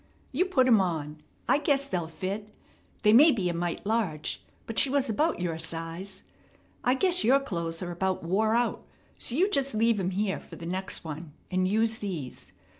You put 'em on. I guess they'll fit. They may be a mite large, but she was about your size. I guess your clothes are about wore out; so you jest leave 'em here fer the next one, and use these.